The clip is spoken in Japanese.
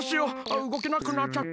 うごけなくなっちゃった。